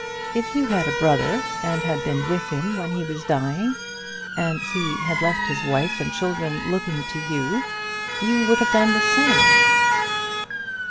If you had a brother, and had been with him when he was dying, and he had left his wife and children looking to you, you would have done the same."